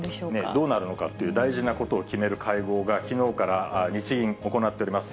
どうなるのかという大事なことを決める会合が、きのうから日銀、行っております。